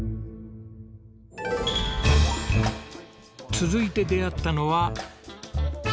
続いて出会ったのは。